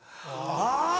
あぁ！